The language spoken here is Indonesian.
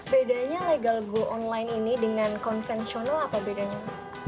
bedanya legalgo online ini dengan konvensional apa bedanya